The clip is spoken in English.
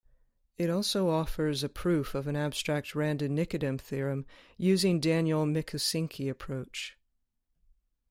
It also offers a proof of an abstract Radon-Nikodym theorem using Daniell-Mikusinski approach.